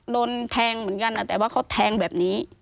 โดนแทงเหมือนกันแต่ว่าเขาแทงแบบนี้